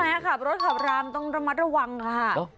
ขับรถขับรามต้องระมัดระวังค่ะ